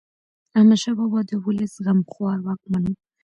احمد شاه بابا د ولس غمخوار واکمن و.